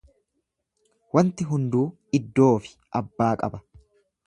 Wanti hunduu iddoofi abbaa qaba.